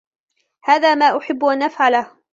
هذا ما احب ان افعله.